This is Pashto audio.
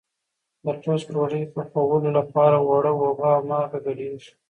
د ټوسټ ډوډۍ پخولو لپاره اوړه اوبه او مالګه ګډېږي.